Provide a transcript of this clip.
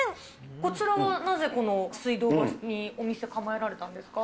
こちらはなぜこの水道橋にお店構えられたんですか？